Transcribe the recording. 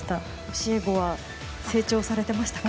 教え子は成長されてましたか？